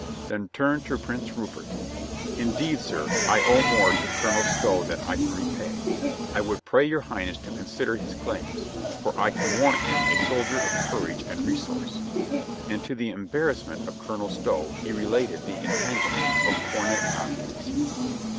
Then turned to Prince Rupert. "Indeed, sir, I owe more to Colonel Stow than I can repay. I would pray your Highness to consider his claims, for I can warrant him a soldier of courage and re source," and to the embarrassment of Colonel Stow he related the entanglement of Cornet Tompkins.